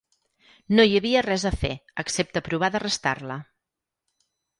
No hi havia res a fer excepte provar d'arrestar-la.